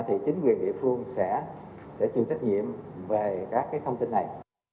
thì chính quyền địa phương sẽ truyền trách nhiệm về các cái thông tin này